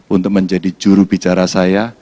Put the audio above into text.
untuk menjadi juru bicara saya